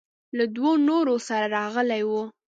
له دوو نورو سره راغلى و.